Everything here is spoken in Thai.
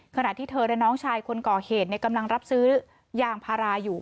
ขณะที่เธอและน้องชายคนก่อเหตุกำลังรับซื้อยางพาราอยู่